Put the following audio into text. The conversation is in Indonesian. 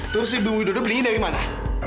terus si bu widodo beliin dari mana